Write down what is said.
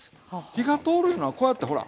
火が通るいうのはこうやってほら。